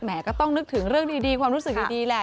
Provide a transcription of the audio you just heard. ก็ต้องนึกถึงเรื่องดีความรู้สึกดีแหละ